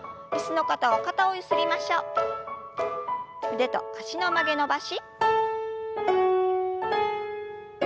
腕と脚の曲げ伸ばし。